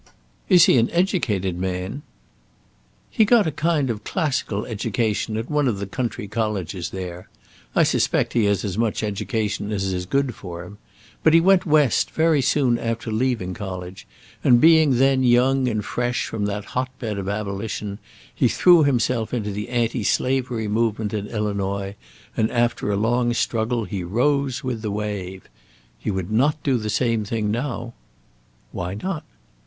"Is he an educated man?" "He got a kind of classical education at one of the country colleges there. I suspect he has as much education as is good for him. But he went West very soon after leaving college, and being then young and fresh from that hot bed of abolition, he threw himself into the anti slavery movement in Illinois, and after a long struggle he rose with the wave. He would not do the same thing now." "Why not?"